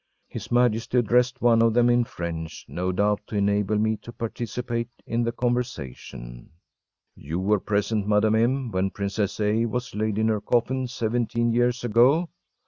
His Majesty addressed one of them in French, no doubt to enable me to participate in the conversation: “You were present, Madame M., when Princess A. was laid in her coffin seventeen years ago?